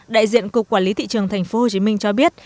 đại diện cục quản lý thị trường tp hcm cho biết